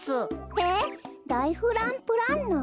えっライフランプランナー？